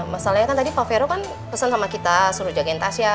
masalahnya kan tadi pak fero kan pesen sama kita suruh jagain tasya